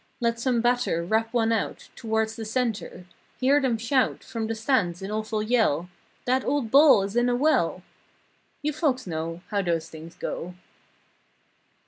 Let some batter rap one out Towards the center—hear them shout From the stands in awful yell— "That old ball is in a well!" (You folks know How those things go.)